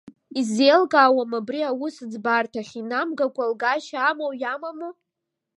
Исзеилкаауам абри аус аӡбарҭахь инамгакәа лгашьа амоу иамаму?